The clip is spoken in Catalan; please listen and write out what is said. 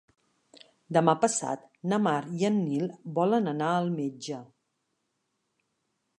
Demà passat na Mar i en Nil volen anar al metge.